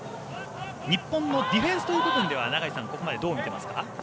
日本のディフェンスという部分では永井さん、どう見てますか？